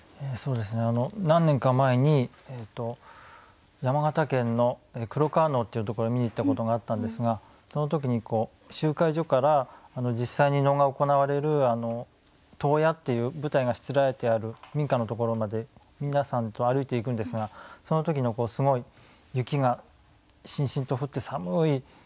そうですね何年か前に山形県の黒川能っていうところ見に行ったことがあったんですがその時に集会所から実際に能が行われる当屋っていう舞台がしつらえてある民家のところまで皆さんと歩いていくんですがその時のすごい雪がしんしんと降って寒い